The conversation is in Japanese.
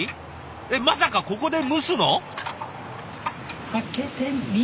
えっまさかここで蒸すの？